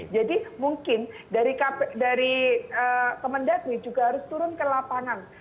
jadi mungkin dari kemendagri juga harus turun ke lapangan